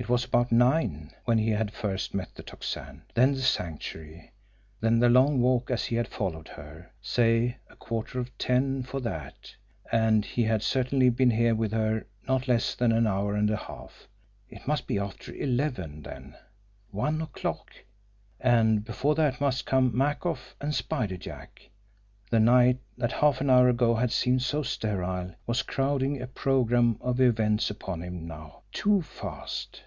It was about nine when he had first met the Tocsin, then the Sanctuary, then the long walk as he had followed her say a quarter of ten for that. And he had certainly been here with her not less than an hour and a half. It must be after eleven, then. One o'clock! And before that must come Makoff and Spider Jack! The night that half an hour ago had seemed so sterile, was crowding a program of events upon him now too fast!